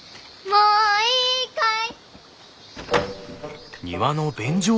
もういいかい？